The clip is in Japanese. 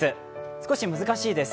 少し難しいです。